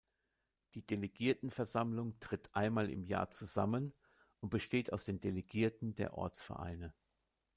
Die Delegiertenversammlung tritt einmal im Jahr zusammen und besteht aus den Delegierten der Ortsvereine.